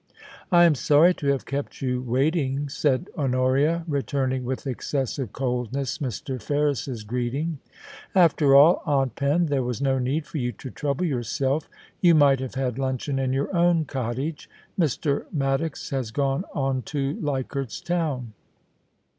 'I am sorry to have kept you waiting,' said Honoria, returning with excessive coldness Mr. Ferris's greeting. * After all. Aunt Pen, there was no need for you to trouble yourself You might have had luncheon in your own cottage. Mr. Maddox has gone on to Leichardt's Town.'